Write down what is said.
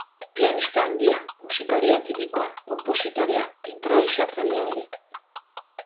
Pianista handia, musikari atipikoa, konpositorea, inprobisatzailea ere.